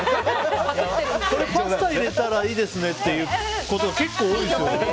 パスタ入れたらいいですねって言うことが結構多いんですよ。